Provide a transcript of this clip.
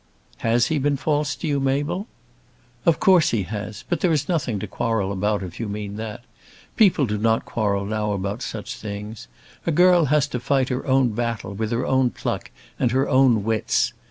"Has he been false to you, Mabel?" "Of course he has. But there is nothing to quarrel about, if you mean that. People do not quarrel now about such things. A girl has to fight her own battle with her own pluck and her own wits.